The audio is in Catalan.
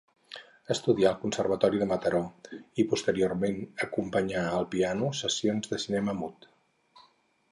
Estudià al conservatori de Mataró i posteriorment acompanyà al piano sessions de cinema mut.